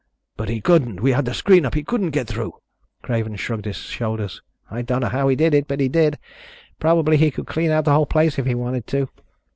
"But he couldn't! We had the screen up! He couldn't get through!" Craven shrugged his shoulders. "I don't know how he did it, but he did. Probably he could clean out the whole place if he wanted to."